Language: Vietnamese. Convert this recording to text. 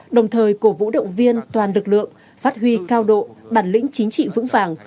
đồng thời cổ vũ động viên toàn lực lượng phát huy cao độ bản lĩnh chính trị vững vàng